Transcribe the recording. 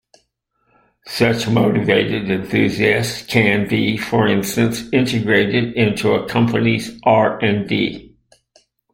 Such motivated enthusiasts, can be for instance integrated into a company's R and D.